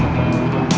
bisa jadi apa